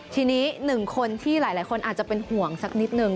ทีนี้หนึ่งคนที่หลายคนอาจจะเป็นห่วงสักนิดนึง